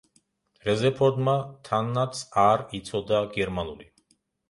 რეზერფორდმა თანაც არ იცოდა გერმანული.